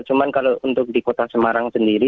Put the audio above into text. cuma kalau untuk di kota semarang sendiri